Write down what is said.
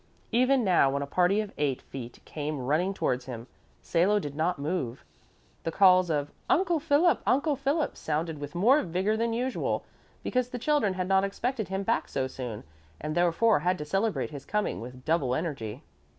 Even now when a party of eight feet came running towards him, Salo did not move. The calls of "Uncle Philip, Uncle Philip!" sounded with more vigor than usual, because the children had not expected him back so soon, and therefore had to celebrate his coming with double energy.